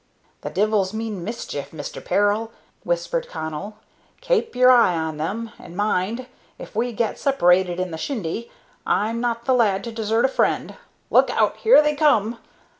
"The divils mean mischief, Mister Peril," whispered Connell. "Kape your eye on them; and mind, if we get separated in the shindy, I'm not the lad to desert a friend. Look out! Here they come!